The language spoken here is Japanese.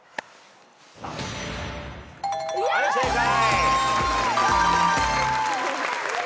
はい正解。